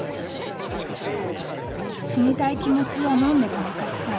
死にたい気持ちを飲んでごまかしたい。